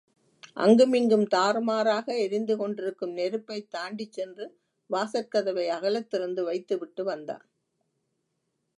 அங்குமிங்கும் தாறுமாறாக எரிந்து கொண்டிருக்கும் நெருப்பைத் தாண்டிச் சென்று வாசற்கதவை அகலத்திறந்து வைத்துவிட்டு வந்தான்.